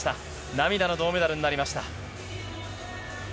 涙の銅メダルになりました。